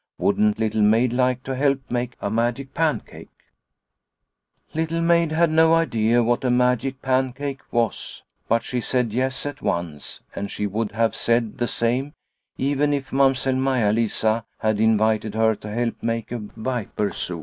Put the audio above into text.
Wouldn't Little Maid like to help make a magic pan cake ? Little Maid had no idea what a magic pan cake was, but she said " yes " at once, and she would have said the same even if Mamsell Maia Lisa had invited her to help make a viper soup.